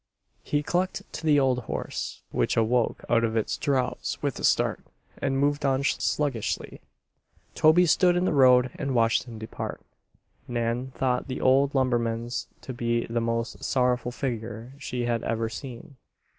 He clucked to the old horse, which awoke out of its drowse with a start, and moved on sluggishly. Toby stood in the road and watched him depart. Nan thought the old lumberman's to be the most sorrowful figure she had ever seen.